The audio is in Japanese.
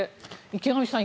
池上さん